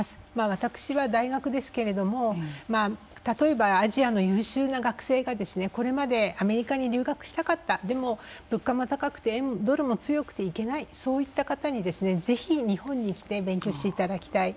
私は大学ですけれども例えばアジアの優秀な学生がこれまでアメリカに留学したかったでも物価も高くてドルも強くて行けないそういった方にぜひ日本に来て勉強していただきたい。